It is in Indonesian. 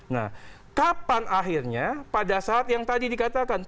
nah kapan akhirnya pada saat yang tadi dikatakan